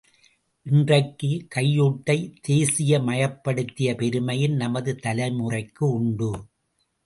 இன்றைக்குக் கையூட்டை தேசிய மயப்படுத்திய பெருமையும் நமது தலைமுறைக்கு உண்டு.